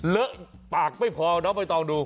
เลอะปากไม่พอน้องใบตองดู